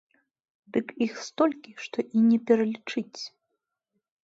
Дык іх столькі, што і не пералічыць.